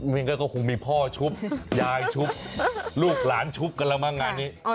งั้นก็คงมีพ่อชุบยายชุบลูกหลานชุบกันแล้วมั้งงานนี้